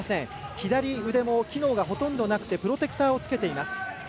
左腕も機能がほとんどなくてプロテクターを着けています。